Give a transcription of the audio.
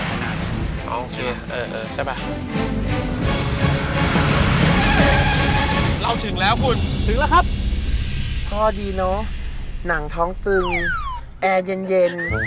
เราถึงแล้วคุณถึงแล้วครับก็ดีเนอะหนังท้องตึงแอร์เย็น